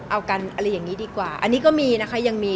เอากันอะไรอย่างนี้ดีกว่าอันนี้ก็มีนะคะยังมี